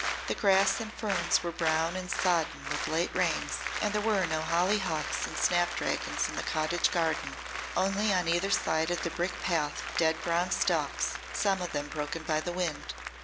The grass and ferns were brown and sodden with late rains and there were no hollyhocks and snapdragons in the cottage garden only on either side of the brick path dead brown stalks, some of them broken by the wind.